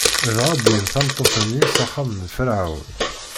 Dɣa wwin tameṭṭut-nni s axxam n Ferɛun.